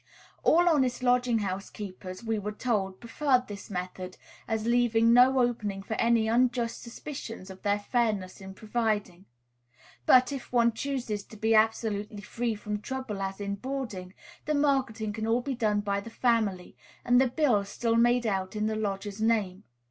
All honest lodging house keepers, we were told, preferred this method, as leaving no opening for any unjust suspicions of their fairness in providing. But, if one chooses to be as absolutely free from trouble as in boarding, the marketing can all be done by the family, and the bills still made out in the lodgers' names.